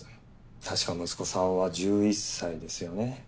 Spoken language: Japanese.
確か息子さんは１１歳ですよね。